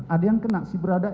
ada yang kena si berada